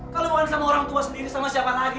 kalo bukan sama orang tua sendiri sama siapa lagi